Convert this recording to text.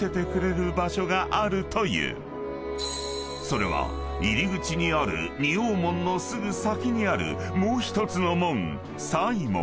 ［それは入り口にある仁王門のすぐ先にあるもう１つの門］